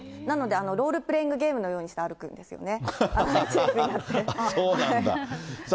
なので、ロールプレイングゲームのようにして歩くんですよね。